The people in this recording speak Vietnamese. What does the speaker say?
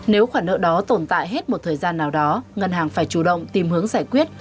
nếu khoản nợ đó tồn tại hết một thời gian nào đó ngân hàng phải chủ động tìm hướng giải quyết